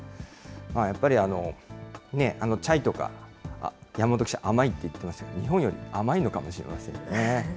やっぱりチャイとか、山本記者、甘いって言ってましたけど、日本より甘いのかもしれませんね。